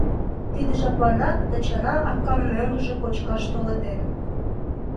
Тиде жапланак Тачана акам мӧҥгыжӧ кочкаш толеден.